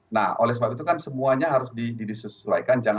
nah oleh sebab itu kan semuanya harus disesuaikan